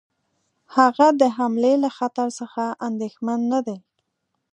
هغه د حملې له خطر څخه اندېښمن نه دی.